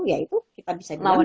ya itu kita bisa di lawan